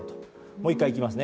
もう１回いきますね